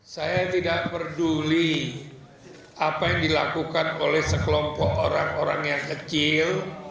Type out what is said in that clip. saya tidak peduli apa yang dilakukan oleh sekelompok orang orang yang kecil